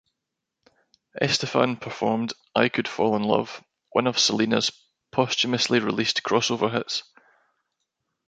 Estefan performed "I Could Fall in Love", one of Selena's posthumously released crossover hits.